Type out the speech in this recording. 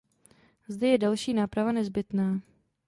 Zde je další náprava nezbytná.